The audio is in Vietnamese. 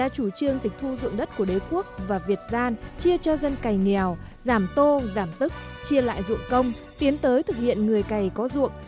chủ trương tịch thu dụng đất của đế quốc và việt gian chia cho dân cày nghèo giảm tô giảm tức chia lại dụng công tiến tới thực hiện người cày có ruộng